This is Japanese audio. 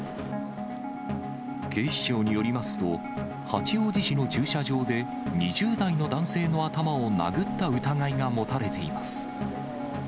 警視庁によりますと、八王子市の駐車場で、２０代の男性の頭を殴った疑いが持たれています。